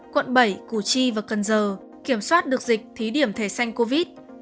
quận bảy củ chi và cần giờ kiểm soát được dịch thí điểm thẻ xanh covid